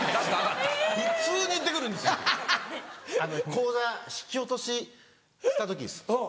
口座引き落としした時です。